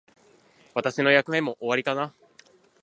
私の役目も終わりかな。